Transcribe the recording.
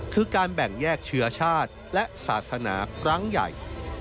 คือการแบ่งแยกเชื้อชาติและศาสนาครั้งใหญ่